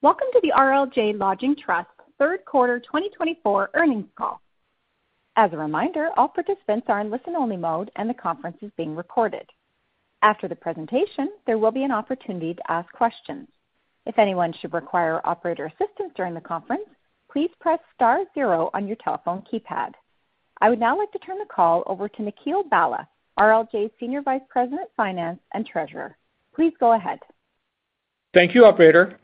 Welcome to the RLJ Lodging Trust Third Quarter 2024 Earnings Call. As a reminder, all participants are in listen-only mode, and the conference is being recorded. After the presentation, there will be an opportunity to ask questions. If anyone should require operator assistance during the conference, please press star zero on your telephone keypad. I would now like to turn the call over to Nikhil Bhalla, RLJ Senior Vice President, Finance and Treasurer. Please go ahead. Thank you, Operator.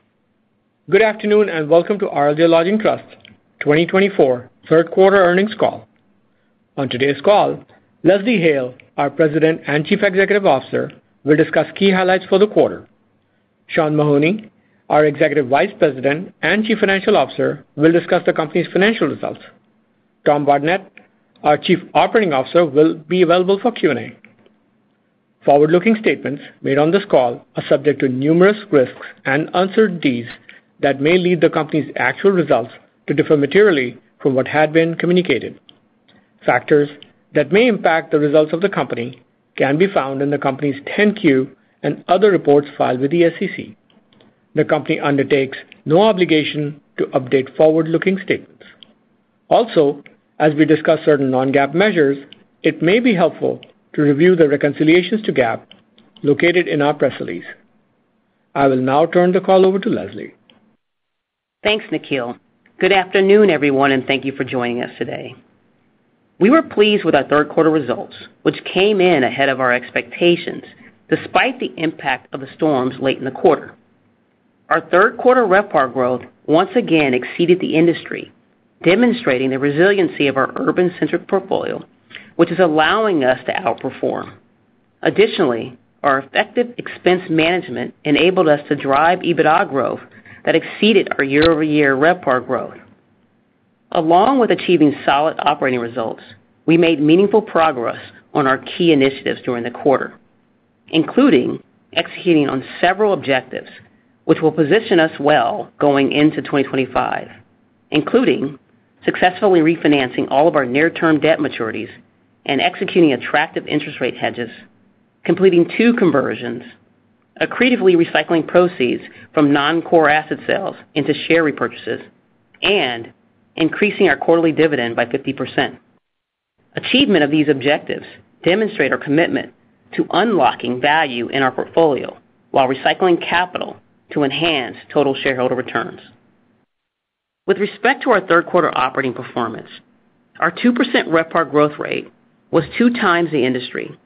Good afternoon and welcome to RLJ Lodging Trust 2024 third quarter earnings call. On today's call, Leslie Hale, our President and Chief Executive Officer, will discuss key highlights for the quarter. Sean Mahoney, our Executive Vice President and Chief Financial Officer, will discuss the company's financial results. Tom Bardenett, our Chief Operating Officer, will be available for Q&A. Forward-looking statements made on this call are subject to numerous risks and uncertainties that may lead the company's actual results to differ materially from what had been communicated. Factors that may impact the results of the company can be found in the company's 10-Q and other reports filed with the SEC. The company undertakes no obligation to update forward-looking statements. Also, as we discuss certain non-GAAP measures, it may be helpful to review the reconciliations to GAAP located in our press release. I will now turn the call over to Leslie. Thanks, Nikhil. Good afternoon, everyone, and thank you for joining us today. We were pleased with our third quarter results, which came in ahead of our expectations despite the impact of the storms late in the quarter. Our third quarter RevPAR growth once again exceeded the industry, demonstrating the resiliency of our urban-centric portfolio, which is allowing us to outperform. Additionally, our effective expense management enabled us to drive EBITDA growth that exceeded our year-over-year RevPAR growth. Along with achieving solid operating results, we made meaningful progress on our key initiatives during the quarter, including executing on several objectives, which will position us well going into 2025, including successfully refinancing all of our near-term debt maturities and executing attractive interest rate hedges, completing two conversions, accretively recycling proceeds from non-core asset sales into share repurchases, and increasing our quarterly dividend by 50%. Achievement of these objectives demonstrates our commitment to unlocking value in our portfolio while recycling capital to enhance total shareholder returns. With respect to our third quarter operating performance, our 2% RevPAR growth rate was two times the industry,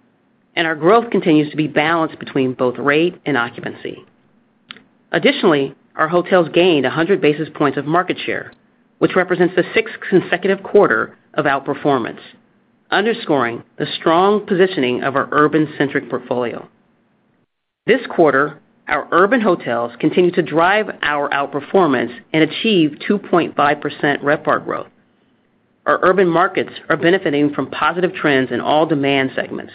and our growth continues to be balanced between both rate and occupancy. Additionally, our hotels gained 100 basis points of market share, which represents the sixth consecutive quarter of outperformance, underscoring the strong positioning of our urban-centric portfolio. This quarter, our urban hotels continue to drive our outperformance and achieve 2.5% RevPAR growth. Our urban markets are benefiting from positive trends in all demand segments,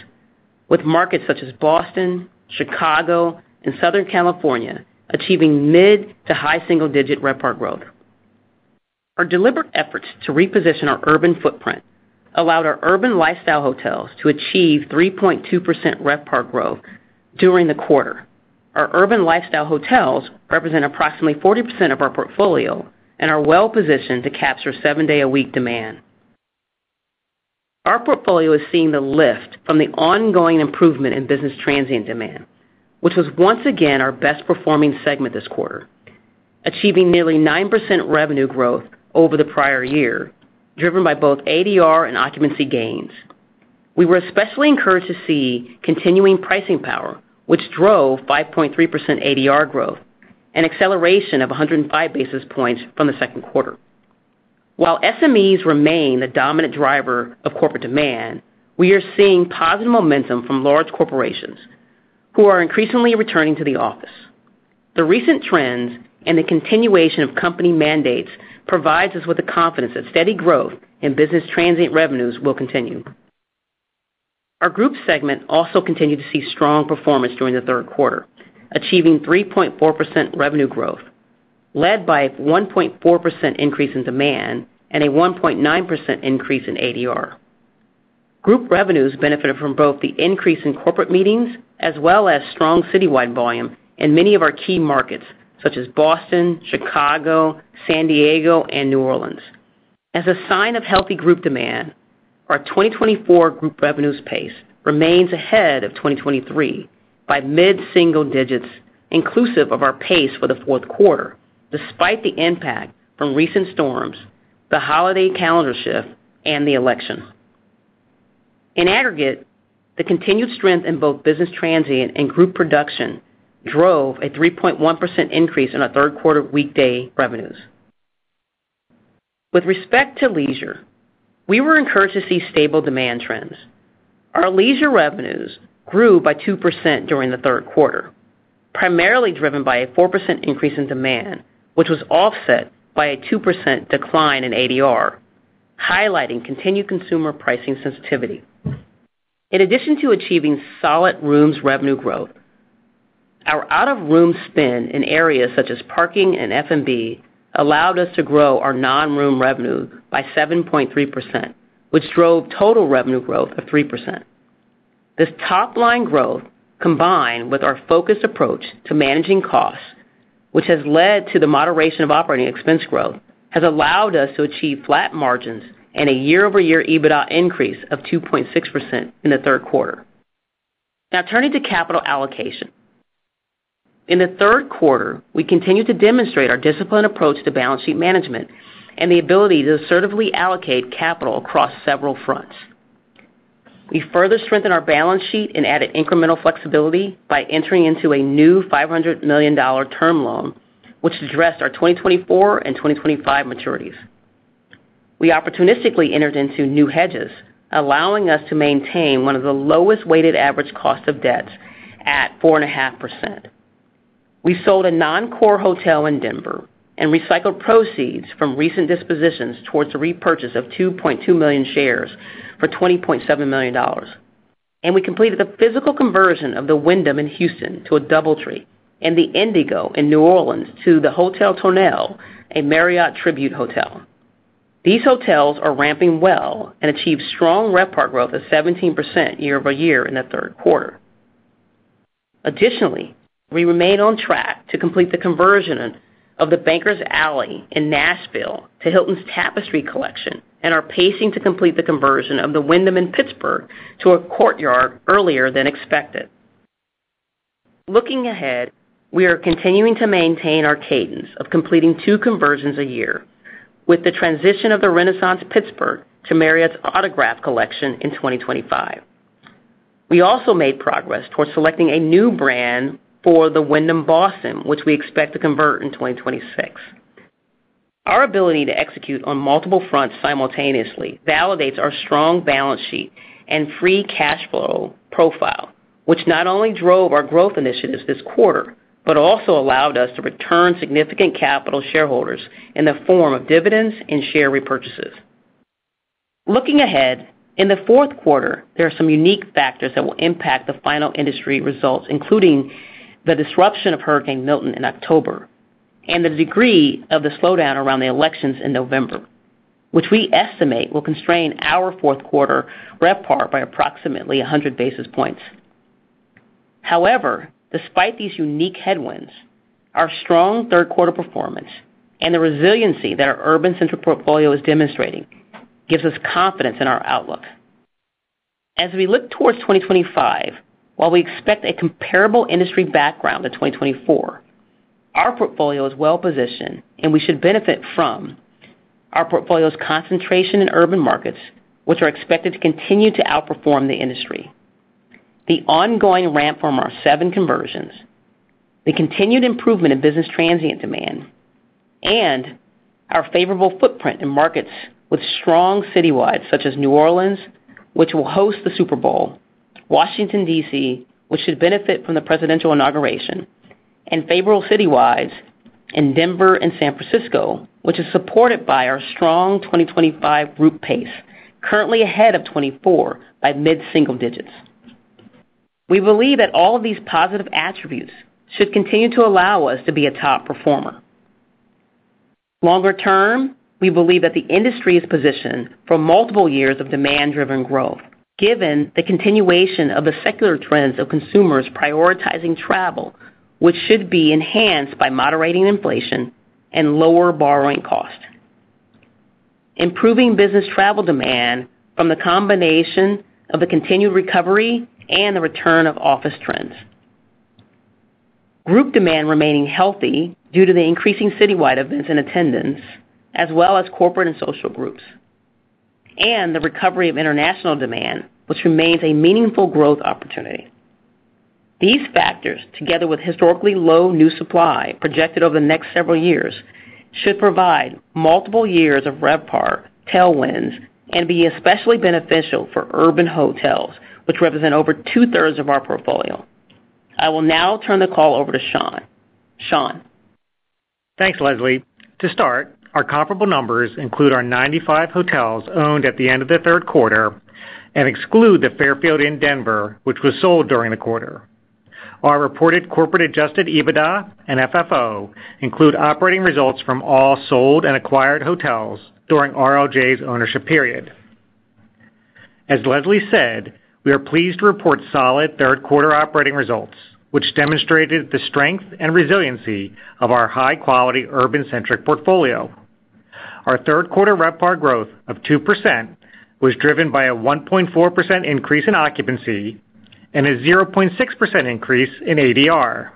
with markets such as Boston, Chicago, and Southern California achieving mid to high single-digit RevPAR growth. Our deliberate efforts to reposition our urban footprint allowed our urban lifestyle hotels to achieve 3.2% RevPAR growth during the quarter. Our urban lifestyle hotels represent approximately 40% of our portfolio and are well-positioned to capture seven-day-a-week demand. Our portfolio is seeing the lift from the ongoing improvement in business transient demand, which was once again our best-performing segment this quarter, achieving nearly 9% revenue growth over the prior year, driven by both ADR and occupancy gains. We were especially encouraged to see continuing pricing power, which drove 5.3% ADR growth and acceleration of 105 basis points from the second quarter. While SMEs remain the dominant driver of corporate demand, we are seeing positive momentum from large corporations who are increasingly returning to the office. The recent trends and the continuation of company mandates provide us with the confidence that steady growth in business transient revenues will continue. Our group segment also continued to see strong performance during the third quarter, achieving 3.4% revenue growth, led by a 1.4% increase in demand and a 1.9% increase in ADR. Group revenues benefited from both the increase in corporate meetings as well as strong citywide volume in many of our key markets such as Boston, Chicago, San Diego, and New Orleans. As a sign of healthy group demand, our 2024 group revenues pace remains ahead of 2023 by mid-single digits, inclusive of our pace for the fourth quarter, despite the impact from recent storms, the holiday calendar shift, and the election. In aggregate, the continued strength in both business transient and group production drove a 3.1% increase in our third quarter weekday revenues. With respect to leisure, we were encouraged to see stable demand trends. Our leisure revenues grew by 2% during the third quarter, primarily driven by a 4% increase in demand, which was offset by a 2% decline in ADR, highlighting continued consumer pricing sensitivity. In addition to achieving solid rooms revenue growth, our out-of-room spend in areas such as parking and F&B allowed us to grow our non-room revenue by 7.3%, which drove total revenue growth of 3%. This top-line growth, combined with our focused approach to managing costs, which has led to the moderation of operating expense growth, has allowed us to achieve flat margins and a year-over-year EBITDA increase of 2.6% in the third quarter. Now, turning to capital allocation. In the third quarter, we continued to demonstrate our disciplined approach to balance sheet management and the ability to assertively allocate capital across several fronts. We further strengthened our balance sheet and added incremental flexibility by entering into a new $500 million term loan, which addressed our 2024 and 2025 maturities. We opportunistically entered into new hedges, allowing us to maintain one of the lowest-weighted average costs of debt at 4.5%. We sold a non-core hotel in Denver and recycled proceeds from recent dispositions towards the repurchase of 2.2 million shares for $20.7 million, and we completed the physical conversion of the Wyndham in Houston to a DoubleTree and the Hotel Indigo in New Orleans to the Hotel Tonnelle, a Marriott Tribute Portfolio hotel. These hotels are ramping well and achieved strong RevPAR growth of 17% year-over-year in the third quarter. Additionally, we remained on track to complete the conversion of the Bankers Alley in Nashville to Hilton's Tapestry Collection and are pacing to complete the conversion of the Wyndham in Pittsburgh to a Courtyard earlier than expected. Looking ahead, we are continuing to maintain our cadence of completing two conversions a year, with the transition of the Renaissance Pittsburgh to Marriott's Autograph Collection in 2025. We also made progress towards selecting a new brand for the Wyndham Boston, which we expect to convert in 2026. Our ability to execute on multiple fronts simultaneously validates our strong balance sheet and free cash flow profile, which not only drove our growth initiatives this quarter but also allowed us to return significant capital to shareholders in the form of dividends and share repurchases. Looking ahead, in the fourth quarter, there are some unique factors that will impact the final industry results, including the disruption of Hurricane Milton in October and the degree of the slowdown around the elections in November, which we estimate will constrain our fourth quarter RevPAR by approximately 100 basis points. However, despite these unique headwinds, our strong third quarter performance and the resiliency that our urban-centric portfolio is demonstrating gives us confidence in our outlook. As we look towards 2025, while we expect a comparable industry background in 2024, our portfolio is well-positioned, and we should benefit from our portfolio's concentration in urban markets, which are expected to continue to outperform the industry. The ongoing ramp from our seven conversions, the continued improvement in business transient demand, and our favorable footprint in markets with strong citywides such as New Orleans, which will host the Super Bowl, Washington, D.C., which should benefit from the presidential inauguration, and favorable citywides in Denver and San Francisco, which is supported by our strong 2025 group pace, currently ahead of 2024 by mid-single digits. We believe that all of these positive attributes should continue to allow us to be a top performer. Longer term, we believe that the industry is positioned for multiple years of demand-driven growth, given the continuation of the secular trends of consumers prioritizing travel, which should be enhanced by moderating inflation and lower borrowing cost, improving business travel demand from the combination of the continued recovery and the return of office trends, group demand remaining healthy due to the increasing citywide events and attendance, as well as corporate and social groups, and the recovery of international demand, which remains a meaningful growth opportunity. These factors, together with historically low new supply projected over the next several years, should provide multiple years of RevPAR tailwinds and be especially beneficial for urban hotels, which represent over two-thirds of our portfolio. I will now turn the call over to Sean. Sean. Thanks, Leslie. To start, our comparable numbers include our 95 hotels owned at the end of the third quarter and exclude the Fairfield in Denver, which was sold during the quarter. Our reported corporate-adjusted EBITDA and FFO include operating results from all sold and acquired hotels during RLJ's ownership period. As Leslie said, we are pleased to report solid third-quarter operating results, which demonstrated the strength and resiliency of our high-quality urban-centric portfolio. Our third-quarter RevPAR growth of 2% was driven by a 1.4% increase in occupancy and a 0.6% increase in ADR.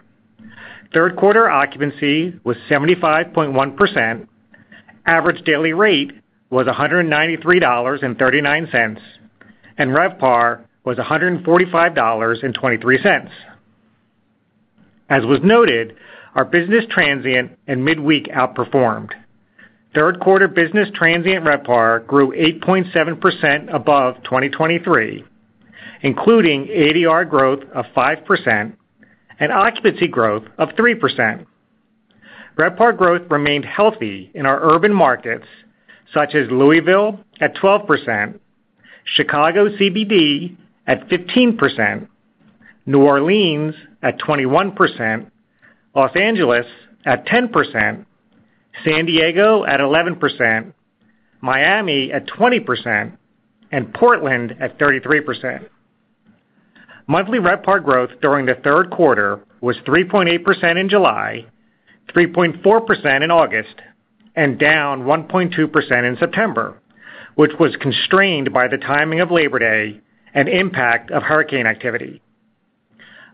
Third-quarter occupancy was 75.1%, average daily rate was $193.39, and RevPAR was $145.23. As was noted, our business transient and midweek outperformed. Third-quarter business transient RevPAR grew 8.7% above 2023, including ADR growth of 5% and occupancy growth of 3%. RevPAR growth remained healthy in our urban markets, such as Louisville at 12%, Chicago CBD at 15%, New Orleans at 21%, Los Angeles at 10%, San Diego at 11%, Miami at 20%, and Portland at 33%. Monthly RevPAR growth during the third quarter was 3.8% in July, 3.4% in August, and down 1.2% in September, which was constrained by the timing of Labor Day and impact of hurricane activity.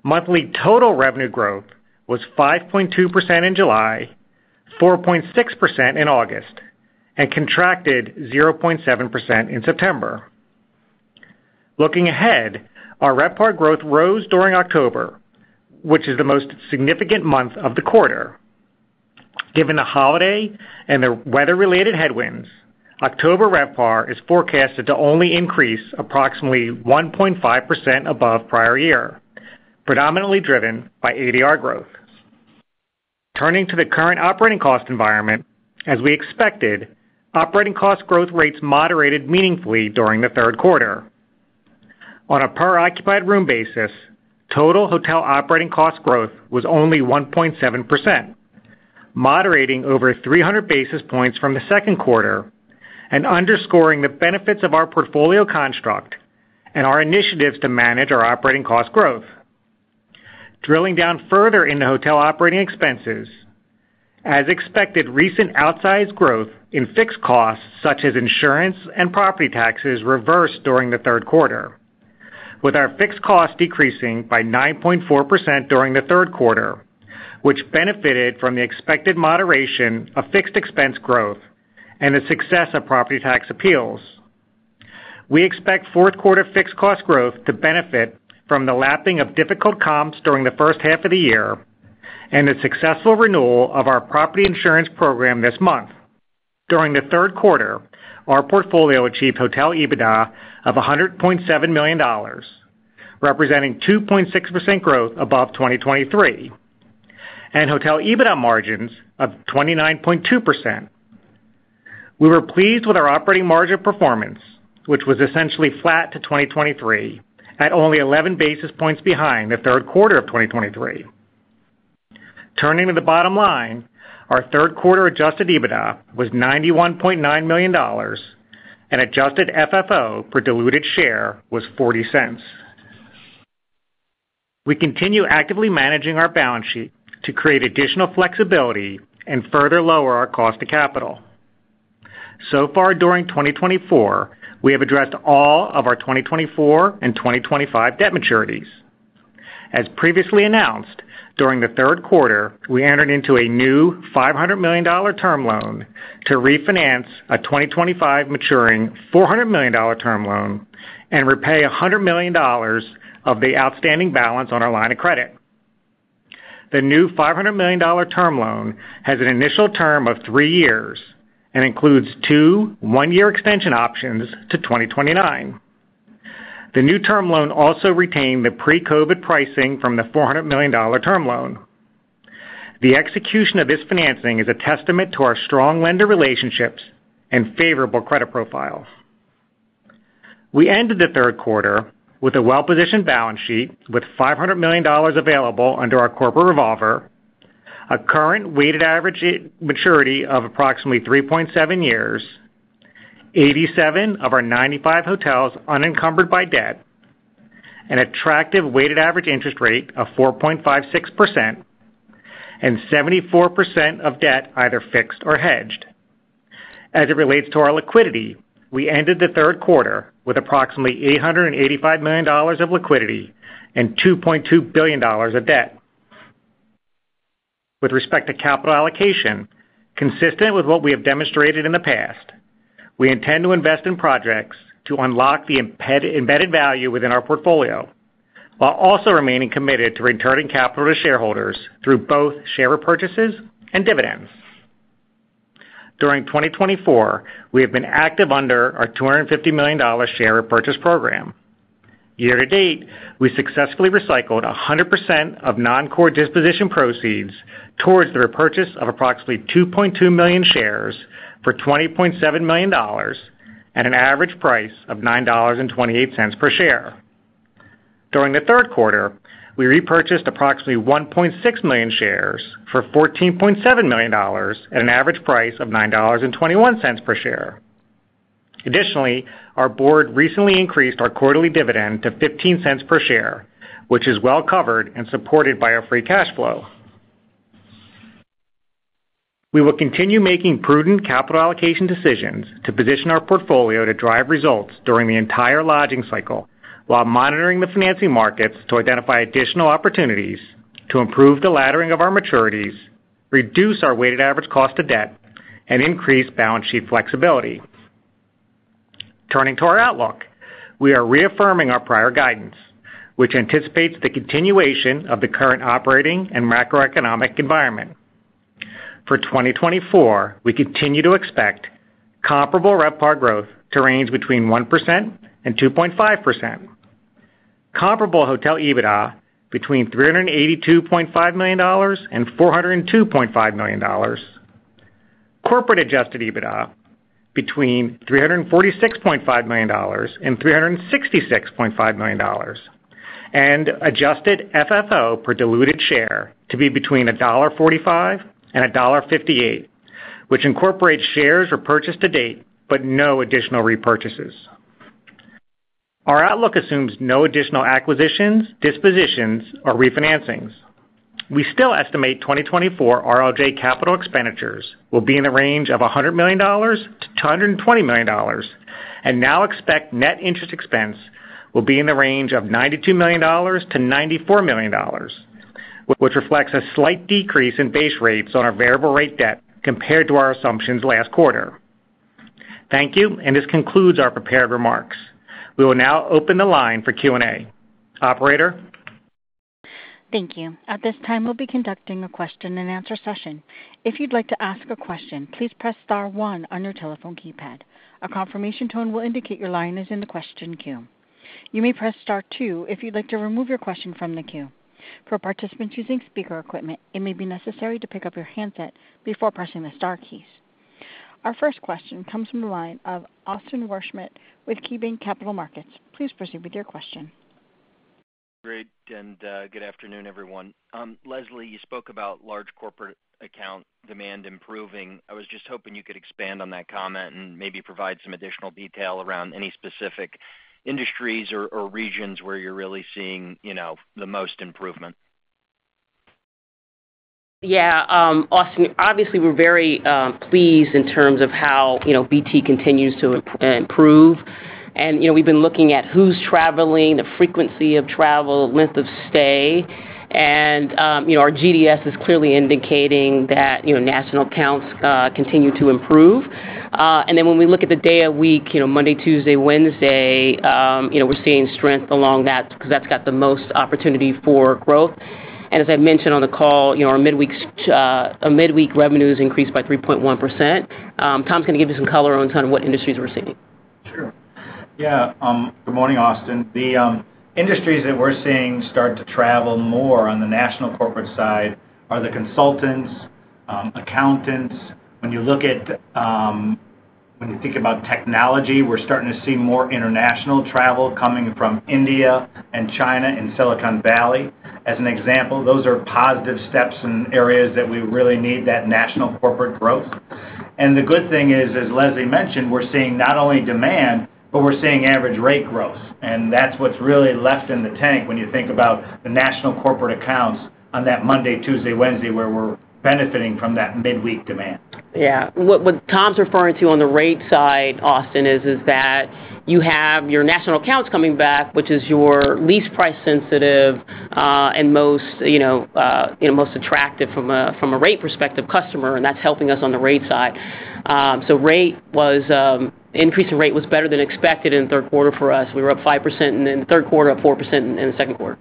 Monthly total revenue growth was 5.2% in July, 4.6% in August, and contracted 0.7% in September. Looking ahead, our RevPAR growth rose during October, which is the most significant month of the quarter. Given the holiday and the weather-related headwinds, October RevPAR is forecasted to only increase approximately 1.5% above prior year, predominantly driven by ADR growth. Turning to the current operating cost environment, as we expected, operating cost growth rates moderated meaningfully during the third quarter. On a per-occupied room basis, total hotel operating cost growth was only 1.7%, moderating over 300 basis points from the second quarter and underscoring the benefits of our portfolio construct and our initiatives to manage our operating cost growth. Drilling down further into hotel operating expenses, as expected, recent outsized growth in fixed costs such as insurance and property taxes reversed during the third quarter, with our fixed costs decreasing by 9.4% during the third quarter, which benefited from the expected moderation of fixed expense growth and the success of property tax appeals. We expect fourth-quarter fixed cost growth to benefit from the lapping of difficult comps during the first half of the year and the successful renewal of our property insurance program this month. During the third quarter, our portfolio achieved hotel EBITDA of $100.7 million, representing 2.6% growth above 2023, and hotel EBITDA margins of 29.2%. We were pleased with our operating margin performance, which was essentially flat to 2023, at only 11 basis points behind the third quarter of 2023. Turning to the bottom line, our third-quarter adjusted EBITDA was $91.9 million, and adjusted FFO per diluted share was $0.40. We continue actively managing our balance sheet to create additional flexibility and further lower our cost of capital. So far during 2024, we have addressed all of our 2024 and 2025 debt maturities. As previously announced, during the third quarter, we entered into a new $500 million term loan to refinance a 2025 maturing $400 million term loan and repay $100 million of the outstanding balance on our line of credit. The new $500 million term loan has an initial term of three years and includes two one-year extension options to 2029. The new term loan also retained the pre-COVID pricing from the $400 million term loan. The execution of this financing is a testament to our strong lender relationships and favorable credit profile. We ended the third quarter with a well-positioned balance sheet with $500 million available under our corporate revolver, a current weighted average maturity of approximately 3.7 years, 87 of our 95 hotels unencumbered by debt, an attractive weighted average interest rate of 4.56%, and 74% of debt either fixed or hedged. As it relates to our liquidity, we ended the third quarter with approximately $885 million of liquidity and $2.2 billion of debt. With respect to capital allocation, consistent with what we have demonstrated in the past, we intend to invest in projects to unlock the embedded value within our portfolio while also remaining committed to returning capital to shareholders through both share repurchases and dividends. During 2024, we have been active under our $250 million share repurchase program. Year to date, we successfully recycled 100% of non-core disposition proceeds towards the repurchase of approximately 2.2 million shares for $20.7 million at an average price of $9.28 per share. During the third quarter, we repurchased approximately 1.6 million shares for $14.7 million at an average price of $9.21 per share. Additionally, our board recently increased our quarterly dividend to $0.15 per share, which is well covered and supported by our free cash flow. We will continue making prudent capital allocation decisions to position our portfolio to drive results during the entire lodging cycle while monitoring the financing markets to identify additional opportunities to improve the laddering of our maturities, reduce our weighted average cost of debt, and increase balance sheet flexibility. Turning to our outlook, we are reaffirming our prior guidance, which anticipates the continuation of the current operating and macroeconomic environment. For 2024, we continue to expect comparable RevPAR growth to range between 1%-2.5%, comparable hotel EBITDA between $382.5 million-$402.5 million, corporate-adjusted EBITDA between $346.5 million-$366.5 million, and adjusted FFO per diluted share to be between $1.45-$1.58, which incorporates shares repurchased to date but no additional repurchases. Our outlook assumes no additional acquisitions, dispositions, or refinancings. We still estimate 2024 RLJ capital expenditures will be in the range of $100 million-$220 million and now expect net interest expense will be in the range of $92 million-$94 million, which reflects a slight decrease in base rates on our variable rate debt compared to our assumptions last quarter. Thank you, and this concludes our prepared remarks. We will now open the line for Q&A. Operator. Thank you. At this time, we'll be conducting a question-and-answer session. If you'd like to ask a question, please press Star one on your telephone keypad. A confirmation tone will indicate your line is in the question queue. You may press Star two if you'd like to remove your question from the queue. For participants using speaker equipment, it may be necessary to pick up your handset before pressing the Star keys. Our first question comes from the line of Austin Worsham with KeyBanc Capital Markets. Please proceed with your question. Great, and good afternoon, everyone. Leslie, you spoke about large corporate account demand improving. I was just hoping you could expand on that comment and maybe provide some additional detail around any specific industries or regions where you're really seeing the most improvement? Yeah, Austin, obviously, we're very pleased in terms of how BT continues to improve. And we've been looking at who's traveling, the frequency of travel, length of stay. And our GDS is clearly indicating that national accounts continue to improve. And then when we look at the day of the week, Monday, Tuesday, Wednesday, we're seeing strength along that because that's got the most opportunity for growth. And as I mentioned on the call, our midweek revenues increased by 3.1%. Tom's going to give you some color on kind of what industries we're seeing. Sure. Yeah, good morning, Austin. The industries that we're seeing start to travel more on the national corporate side are the consultants, accountants. When you think about technology, we're starting to see more international travel coming from India and China and Silicon Valley, as an example. Those are positive steps in areas that we really need that national corporate growth. And the good thing is, as Leslie mentioned, we're seeing not only demand, but we're seeing average rate growth. And that's what's really left in the tank when you think about the national corporate accounts on that Monday, Tuesday, Wednesday where we're benefiting from that midweek demand. Yeah. What Tom's referring to on the rate side, Austin, is that you have your national accounts coming back, which is your least price-sensitive and most attractive from a rate perspective customer, and that's helping us on the rate side. So increasing rate was better than expected in the third quarter for us. We were up 5% in the third quarter, up 4% in the second quarter.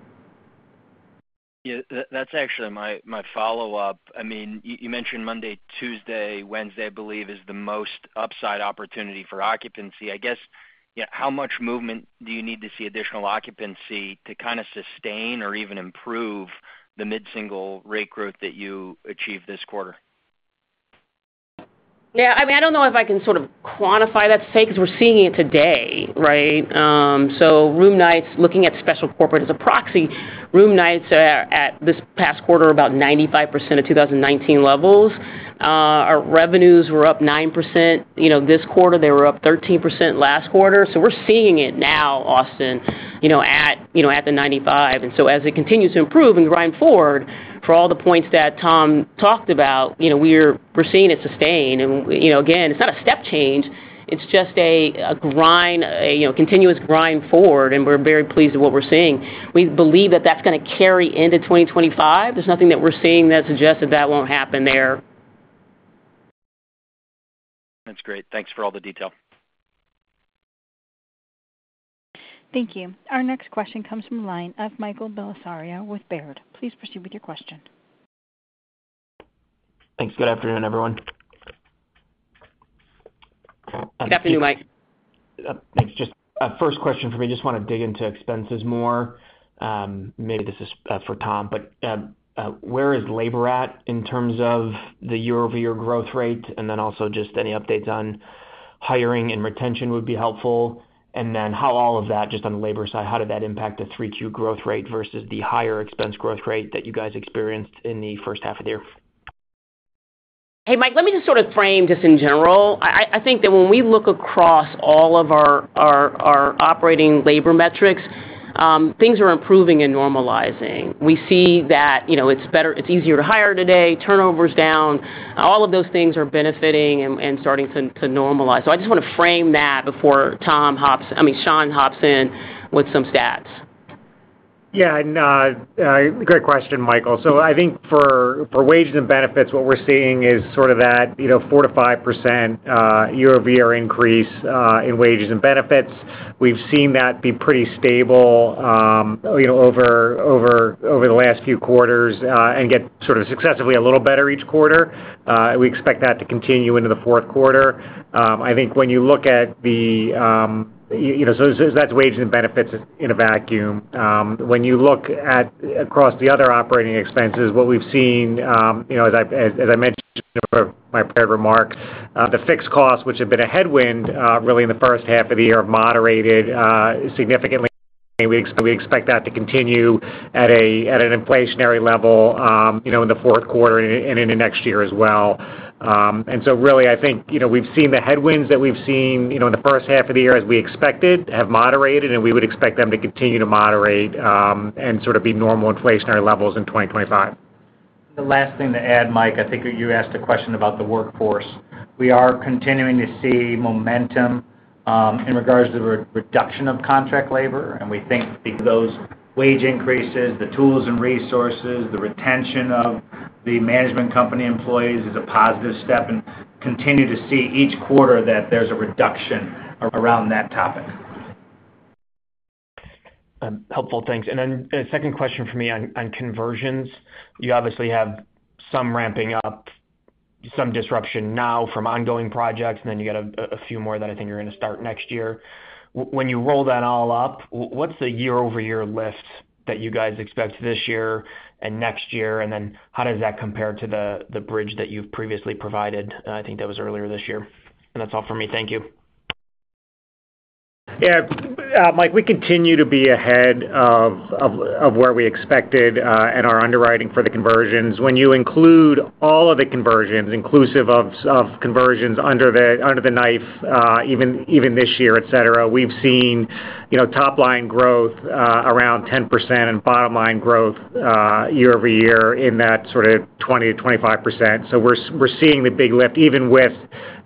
Yeah, that's actually my follow-up. I mean, you mentioned Monday, Tuesday, Wednesday, I believe, is the most upside opportunity for occupancy. I guess, how much movement do you need to see additional occupancy to kind of sustain or even improve the mid-single rate growth that you achieved this quarter? Yeah, I mean, I don't know if I can sort of quantify that to say because we're seeing it today, right? So room nights, looking at special corporate as a proxy, room nights at this past quarter were about 95% of 2019 levels. Our revenues were up 9% this quarter. They were up 13% last quarter. So we're seeing it now, Austin, at the 95. And so as it continues to improve and grind forward for all the points that Tom talked about, we're seeing it sustain. And again, it's not a step change. It's just a continuous grind forward, and we're very pleased with what we're seeing. We believe that that's going to carry into 2025. There's nothing that we're seeing that suggests that that won't happen there. That's great. Thanks for all the detail. Thank you. Our next question comes from the line of Michael Bellisario with Baird. Please proceed with your question. Thanks. Good afternoon, everyone. Good afternoon, Mike. Thanks. Just a first question for me. Just want to dig into expenses more. Maybe this is for Tom, but where is labor at in terms of the year-over-year growth rate? And then also just any updates on hiring and retention would be helpful. And then how all of that, just on the labor side, how did that impact the 3Q growth rate versus the higher expense growth rate that you guys experienced in the first half of the year? Hey, Mike, let me just sort of frame this in general. I think that when we look across all of our operating labor metrics, things are improving and normalizing. We see that it's easier to hire today, turnovers down. All of those things are benefiting and starting to normalize. So I just want to frame that before Tom hops, I mean, Sean hops in with some stats. Yeah, great question, Michael. So I think for wages and benefits, what we're seeing is sort of that 4%-5% year-over-year increase in wages and benefits. We've seen that be pretty stable over the last few quarters and get sort of successively a little better each quarter. We expect that to continue into the fourth quarter. I think when you look at the, so that's wages and benefits in a vacuum. When you look across the other operating expenses, what we've seen, as I mentioned in my prior remark, the fixed costs, which have been a headwind really in the first half of the year, have moderated significantly. We expect that to continue at an inflationary level in the fourth quarter and into next year as well. And so really, I think we've seen the headwinds that we've seen in the first half of the year, as we expected, have moderated, and we would expect them to continue to moderate and sort of be normal inflationary levels in 2025. The last thing to add, Mike, I think you asked a question about the workforce. We are continuing to see momentum in regards to the reduction of contract labor, and we think those wage increases, the tools and resources, the retention of the management company employees is a positive step, and continue to see each quarter that there's a reduction around that topic. Helpful. Thanks. And then a second question for me on conversions. You obviously have some ramping up, some disruption now from ongoing projects, and then you got a few more that I think you're going to start next year. When you roll that all up, what's the year-over-year lift that you guys expect this year and next year? And then how does that compare to the bridge that you've previously provided? I think that was earlier this year. And that's all for me. Thank you. Yeah, Mike, we continue to be ahead of where we expected at our underwriting for the conversions. When you include all of the conversions, inclusive of conversions under the knife even this year, etc., we've seen top-line growth around 10% and bottom-line growth year-over-year in that sort of 20%-25%. So we're seeing the big lift, even with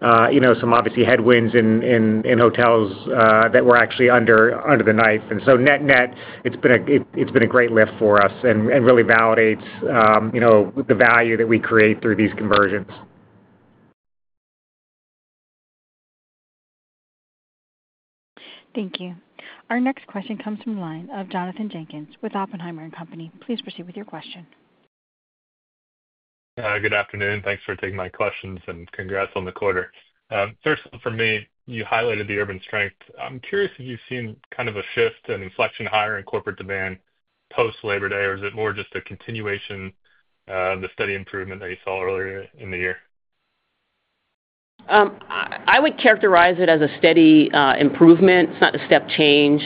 some obviously headwinds in hotels that were actually under the knife. And so net-net, it's been a great lift for us and really validates the value that we create through these conversions. Thank you. Our next question comes from the line of Jonathan Jenkins with Oppenheimer & Company. Please proceed with your question. Good afternoon. Thanks for taking my questions and congrats on the quarter. First, for me, you highlighted the urban strength. I'm curious if you've seen kind of a shift, an inflection higher in corporate demand post-Labor Day, or is it more just a continuation of the steady improvement that you saw earlier in the year? I would characterize it as a steady improvement. It's not a step change.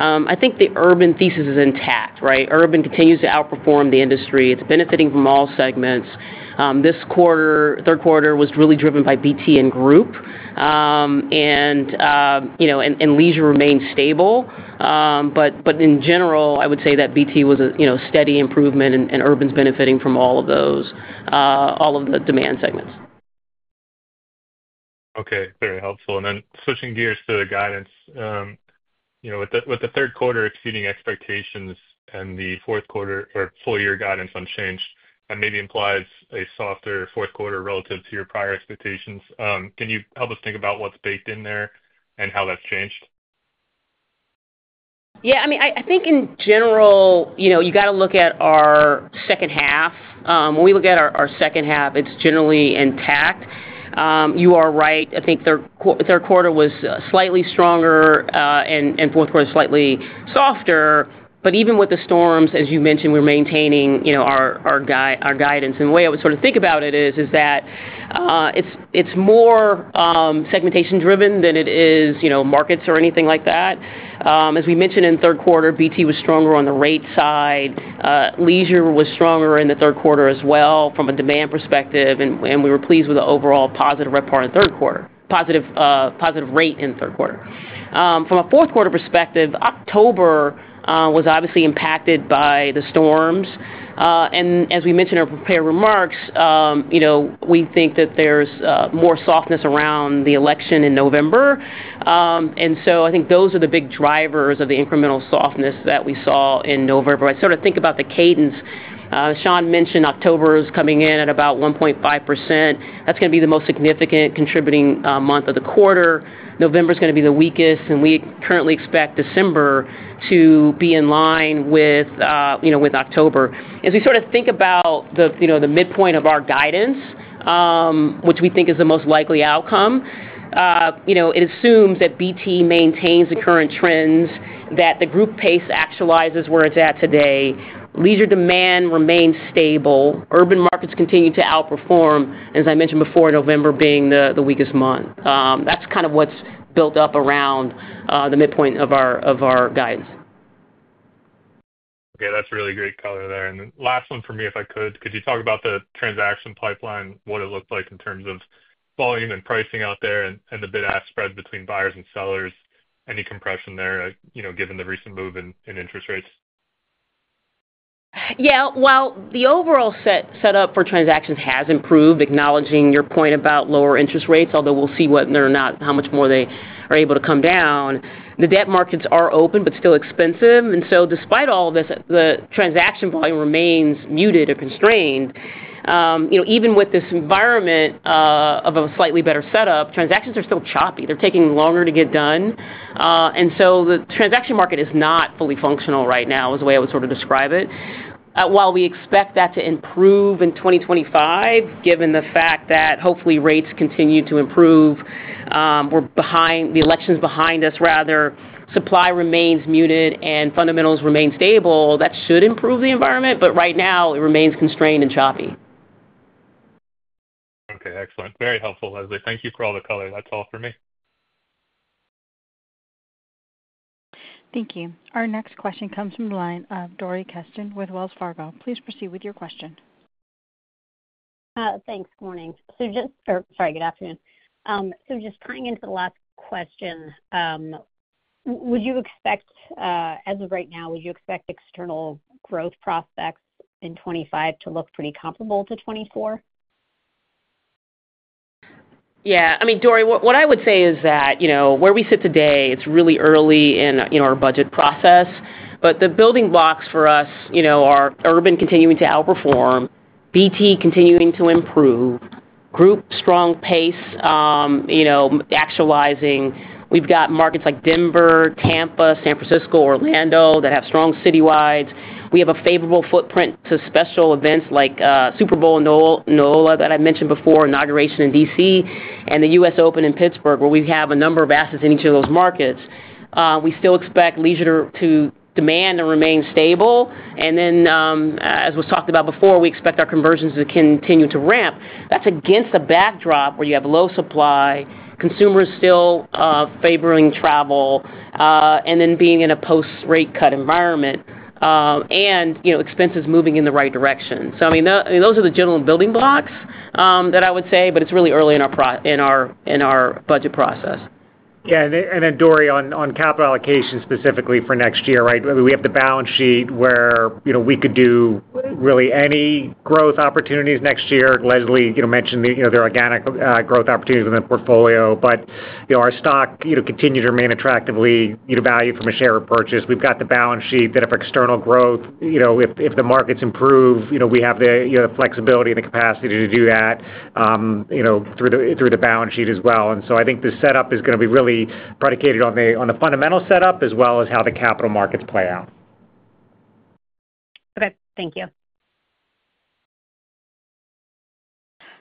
I think the urban thesis is intact, right? Urban continues to outperform the industry. It's benefiting from all segments. This third quarter was really driven by BT and group, and leisure remained stable. But in general, I would say that BT was a steady improvement, and urban's benefiting from all of those, all of the demand segments. Okay, very helpful. And then switching gears to the guidance, with the third quarter exceeding expectations and the fourth quarter or full-year guidance unchanged, that maybe implies a softer fourth quarter relative to your prior expectations. Can you help us think about what's baked in there and how that's changed? Yeah, I mean, I think in general, you got to look at our second half. When we look at our second half, it's generally intact. You are right. I think third quarter was slightly stronger and fourth quarter was slightly softer. But even with the storms, as you mentioned, we're maintaining our guidance. And the way I would sort of think about it is that it's more segmentation-driven than it is markets or anything like that. As we mentioned in third quarter, BT was stronger on the rate side. Leisure was stronger in the third quarter as well from a demand perspective, and we were pleased with the overall positive RevPAR in the third quarter, positive rate in the third quarter. From a fourth quarter perspective, October was obviously impacted by the storms. As we mentioned in our prepared remarks, we think that there's more softness around the election in November. So I think those are the big drivers of the incremental softness that we saw in November. I sort of think about the cadence. Sean mentioned October's coming in at about 1.5%. That's going to be the most significant contributing month of the quarter. November's going to be the weakest, and we currently expect December to be in line with October. As we sort of think about the midpoint of our guidance, which we think is the most likely outcome, it assumes that BT maintains the current trends, that the group pace actualizes where it's at today, leisure demand remains stable, urban markets continue to outperform, as I mentioned before, November being the weakest month. That's kind of what's built up around the midpoint of our guidance. Okay, that's really great color there. And last one for me, if I could, could you talk about the transaction pipeline, what it looked like in terms of volume and pricing out there and the bid-ask spread between buyers and sellers, any compression there given the recent move in interest rates? Yeah, well, the overall setup for transactions has improved, acknowledging your point about lower interest rates, although we'll see how much more they are able to come down. The debt markets are open but still expensive. And so despite all this, the transaction volume remains muted or constrained. Even with this environment of a slightly better setup, transactions are still choppy. They're taking longer to get done. And so the transaction market is not fully functional right now, is the way I would sort of describe it. While we expect that to improve in 2025, given the fact that hopefully rates continue to improve, we're behind the election's behind us, rather, supply remains muted and fundamentals remain stable, that should improve the environment. But right now, it remains constrained and choppy. Okay, excellent. Very helpful, Leslie. Thank you for all the color. That's all for me. Thank you. Our next question comes from the line of Dori Kesten with Wells Fargo. Please proceed with your question. Thanks. Good morning. So just—or sorry, good afternoon. So just tying into the last question, would you expect, as of right now, would you expect external growth prospects in 2025 to look pretty comparable to 2024? Yeah. I mean, Dory, what I would say is that where we sit today, it's really early in our budget process. But the building blocks for us are urban continuing to outperform, BT continuing to improve, group strong pace actualizing. We've got markets like Denver, Tampa, San Francisco, Orlando that have strong citywides. We have a favorable footprint to special events like Super Bowl and NOLA that I mentioned before, inauguration in DC, and the US Open in Pittsburgh where we have a number of assets in each of those markets. We still expect leisure demand to remain stable. And then, as was talked about before, we expect our conversions to continue to ramp. That's against a backdrop where you have low supply, consumers still favoring travel, and then being in a post-rate cut environment, and expenses moving in the right direction. So I mean, those are the general building blocks that I would say, but it's really early in our budget process. Yeah. And then, Dory, on capital allocation specifically for next year, right? We have the balance sheet where we could do really any growth opportunities next year. Leslie mentioned the organic growth opportunities within the portfolio. But our stock continues to remain attractively valued from a share repurchase. We've got the balance sheet that if external growth, if the markets improve, we have the flexibility and the capacity to do that through the balance sheet as well. And so I think the setup is going to be really predicated on the fundamental setup as well as how the capital markets play out. Okay. Thank you.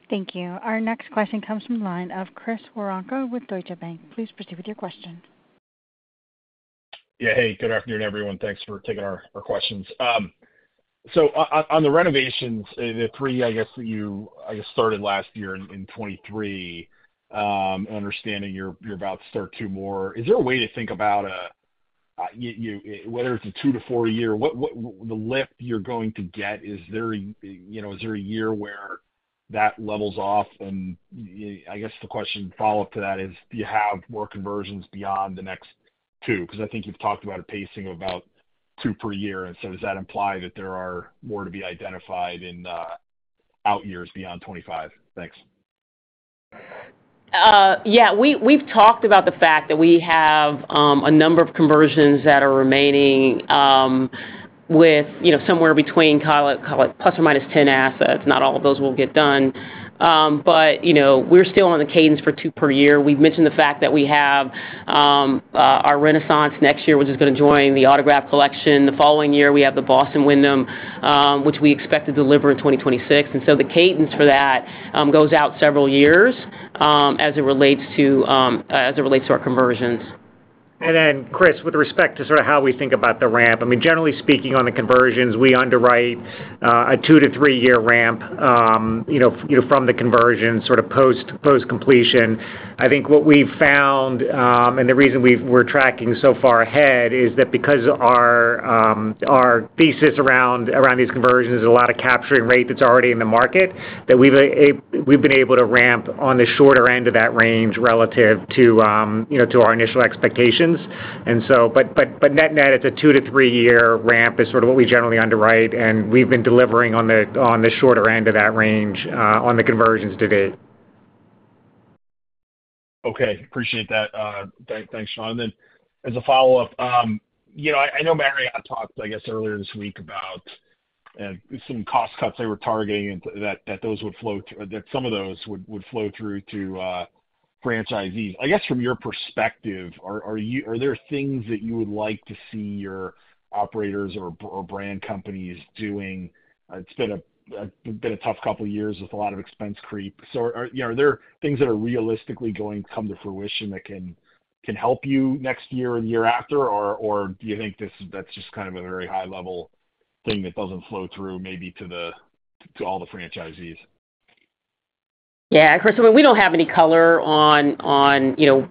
Thank you. Our next question comes from the line of Chris Waranka with Deutsche Bank. Please proceed with your question. Yeah. Hey, good afternoon, everyone. Thanks for taking our questions. So on the renovations, the three, I guess, that you started last year in 2023, and understanding you're about to start two more, is there a way to think about whether it's a two-to-four year, the lift you're going to get, is there a year where that levels off? And I guess the question follow-up to that is, do you have more conversions beyond the next two? Because I think you've talked about a pacing of about two per year. And so does that imply that there are more to be identified in out years beyond 2025? Thanks. Yeah. We've talked about the fact that we have a number of conversions that are remaining with somewhere between, call it, plus or minus 10 assets. Not all of those will get done. But we're still on the cadence for two per year. We've mentioned the fact that we have our Renaissance next year, which is going to join the Autograph Collection. The following year, we have the Boston Wyndham, which we expect to deliver in 2026. And so the cadence for that goes out several years as it relates to our conversions. And then, Chris, with respect to sort of how we think about the ramp, I mean, generally speaking, on the conversions, we underwrite a two-to-three-year ramp from the conversion sort of post-completion. I think what we've found and the reason we're tracking so far ahead is that because our thesis around these conversions is a lot of capturing rate that's already in the market, that we've been able to ramp on the shorter end of that range relative to our initial expectations. And so, but net-net, it's a two-to-three-year ramp, sort of what we generally underwrite. And we've been delivering on the shorter end of that range on the conversions to date. Okay. Appreciate that. Thanks, Sean. And then as a follow-up, I know Marriott talked, I guess, earlier this week about some cost cuts they were targeting, that those would flow through, that some of those would flow through to franchisees. I guess from your perspective, are there things that you would like to see your operators or brand companies doing? It's been a tough couple of years with a lot of expense creep. So are there things that are realistically going to come to fruition that can help you next year and year after? Or do you think that's just kind of a very high-level thing that doesn't flow through maybe to all the franchisees? Yeah. Of course, we don't have any color on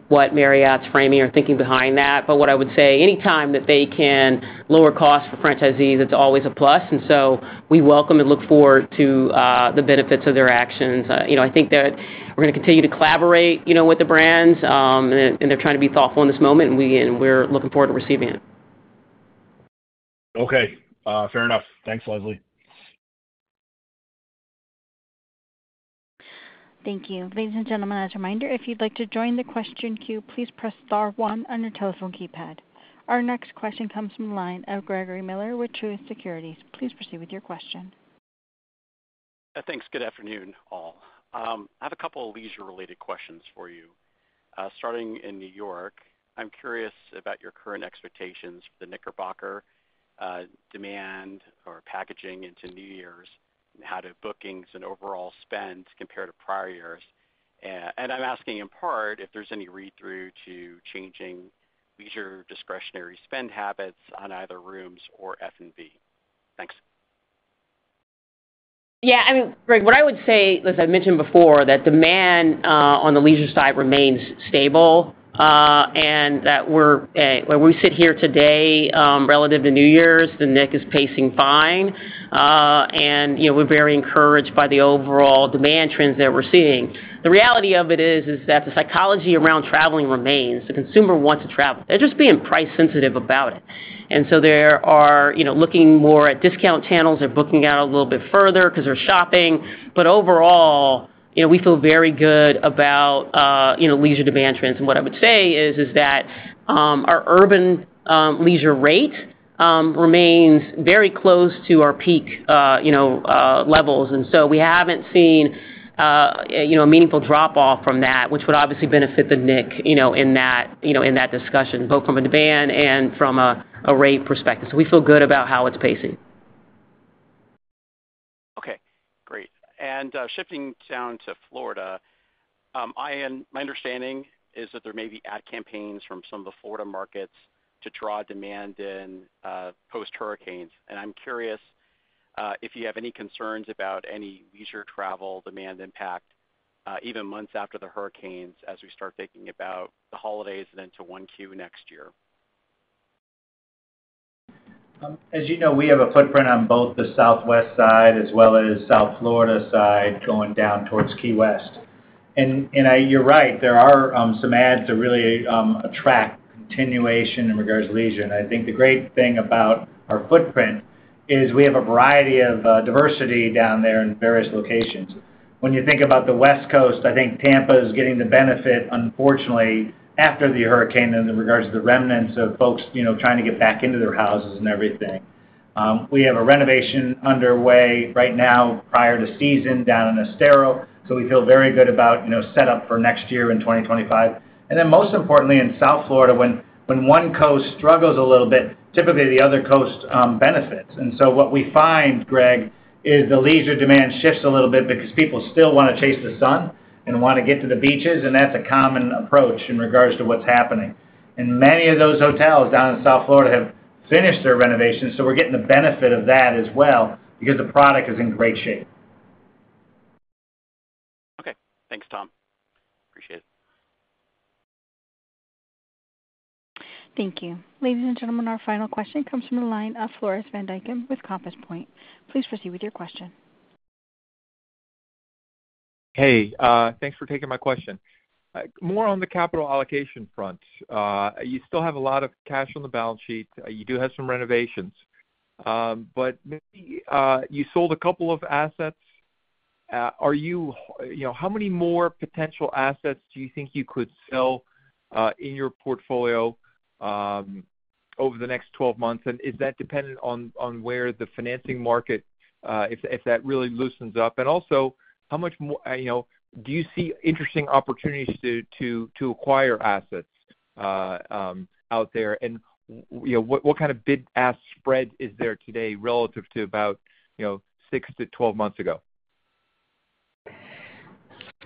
what Marriott's framing or thinking behind that. But what I would say, anytime that they can lower costs for franchisees, it's always a plus. And so we welcome and look forward to the benefits of their actions. I think that we're going to continue to collaborate with the brands, and they're trying to be thoughtful in this moment, and we're looking forward to receiving it. Okay. Fair enough. Thanks, Leslie. Thank you. Ladies and gentlemen, as a reminder, if you'd like to join the question queue, please press star one on your telephone keypad. Our next question comes from the line of Gregory Miller with Truist Securities. Please proceed with your question. Thanks. Good afternoon, all. I have a couple of leisure-related questions for you. Starting in New York, I'm curious about your current expectations for the Knickerbocker demand or packaging into New Year's and how do bookings and overall spend compare to prior years? And I'm asking in part if there's any read-through to changing leisure discretionary spend habits on either rooms or F&B. Thanks. Yeah. I mean, Greg, what I would say, as I mentioned before, that demand on the leisure side remains stable and that where we sit here today relative to New Year's, the next is pacing fine. And we're very encouraged by the overall demand trends that we're seeing. The reality of it is that the psychology around traveling remains. The consumer wants to travel. They're just being price-sensitive about it. And so they are looking more at discount channels or booking out a little bit further because they're shopping. But overall, we feel very good about leisure demand trends. And what I would say is that our urban leisure rate remains very close to our peak levels. And so we haven't seen a meaningful drop-off from that, which would obviously benefit The Knick in that discussion, both from a demand and from a rate perspective. So we feel good about how it's pacing. Okay. Great. And shifting down to Florida, my understanding is that there may be ad campaigns from some of the Florida markets to draw demand in post-hurricanes. And I'm curious if you have any concerns about any leisure travel demand impact even months after the hurricanes as we start thinking about the holidays and into Q1 next year? As you know, we have a footprint on both the southwest side as well as South Florida side going down towards Key West. And you're right. There are some ads that really attract continuation in regards to leisure. And I think the great thing about our footprint is we have a variety of diversity down there in various locations. When you think about the West Coast, I think Tampa is getting the benefit, unfortunately, after the hurricane in regards to the remnants of folks trying to get back into their houses and everything. We have a renovation underway right now prior to season down in Estero. So we feel very good about setup for next year in 2025. And then most importantly, in South Florida, when one coast struggles a little bit, typically the other coast benefits. What we find, Greg, is the leisure demand shifts a little bit because people still want to chase the sun and want to get to the beaches. That's a common approach in regards to what's happening. Many of those hotels down in South Florida have finished their renovations. We're getting the benefit of that as well because the product is in great shape. Okay. Thanks, Tom. Appreciate it. Thank you. Ladies and gentlemen, our final question comes from the line of Floris van Dijkum with Compass Point. Please proceed with your question. Hey, thanks for taking my question. More on the capital allocation front. You still have a lot of cash on the balance sheet. You do have some renovations. But you sold a couple of assets. How many more potential assets do you think you could sell in your portfolio over the next 12 months? And is that dependent on where the financing market, if that really loosens up? And also, how much do you see interesting opportunities to acquire assets out there? And what kind of bid-ask spread is there today relative to about 6-12 months ago?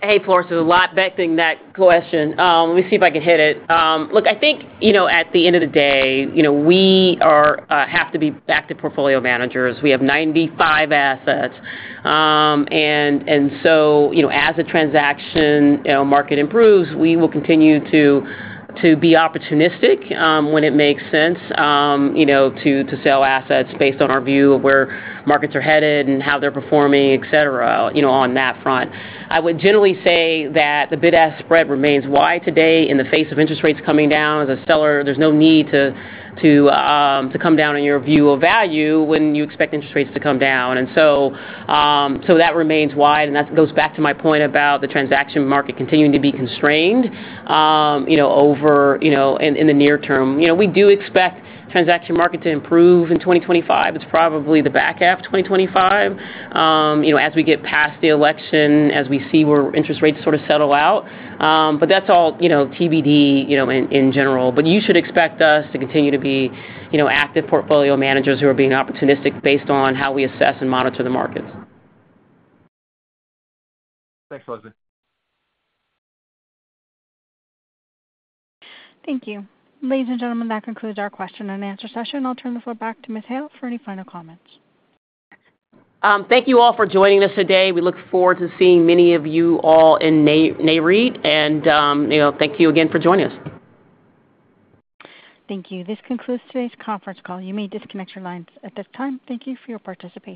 Hey, Floris, a lot backing that question. Let me see if I can hit it. Look, I think at the end of the day, we have to be active portfolio managers. We have 95 assets. And so as the transaction market improves, we will continue to be opportunistic when it makes sense to sell assets based on our view of where markets are headed and how they're performing, etc., on that front. I would generally say that the bid-ask spread remains wide today in the face of interest rates coming down. As a seller, there's no need to come down on your view of value when you expect interest rates to come down. And so that remains wide. And that goes back to my point about the transaction market continuing to be constrained over in the near term. We do expect the transaction market to improve in 2025. It's probably the back half of 2025 as we get past the election, as we see where interest rates sort of settle out. But that's all TBD in general. But you should expect us to continue to be active portfolio managers who are being opportunistic based on how we assess and monitor the markets. Thanks, Leslie. Thank you. Ladies and gentlemen, that concludes our question and answer session. I'll turn the floor back to Ms. Hale for any final comments. Thank you all for joining us today. We look forward to seeing many of you all in NAREIT. And thank you again for joining us. Thank you. This concludes today's conference call. You may disconnect your lines at this time. Thank you for your participation.